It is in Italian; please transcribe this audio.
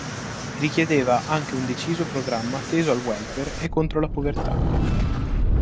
Richiedeva anche un deciso programma teso al welfare e contro la povertà.